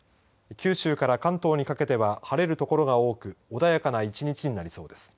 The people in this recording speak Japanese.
九州から関東にかけては晴れる所が多く穏やかな１日になりそうです。